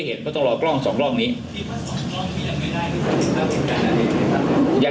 นะครับวันก็จะเหมือนใน๑๓กล้องนี้นะครับ